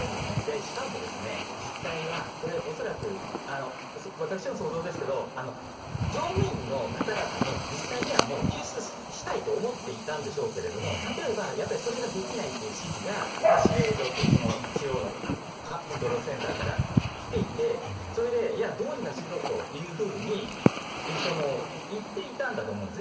しかも、実際はこれ、恐らく、私の想像ですが乗務員の方々も実際には救出したいと思っていたんでしょうが例えばそれができないという指示が、指令所という中央のコントロールセンターから来ていてそれでどうにかしろというふうに言っていたんだと思うんですね。